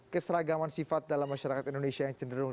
keseragaman sifat dalam masyarakat indonesia yang cenderung